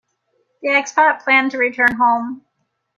The expat planned to return home.